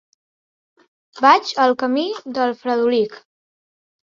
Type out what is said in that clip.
Vaig al camí del Fredolic.